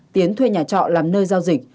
tiến thuê nhà trọ làm nơi giao dịch